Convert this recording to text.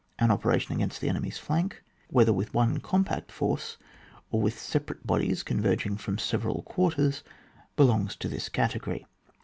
An operation against the enemy's flank, whether with one compact force, or with separate bodies converging from several quarters, belongs to this category.